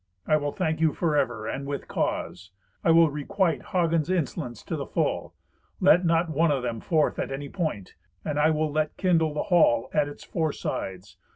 I will thank you forever, and with cause. I will requite Hagen's insolence to the full. Let not one of them forth at any point, and I will let kindle the hall at its four sides.